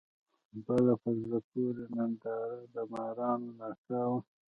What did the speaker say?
بله په زړه پورې ننداره د مارانو نڅا وه.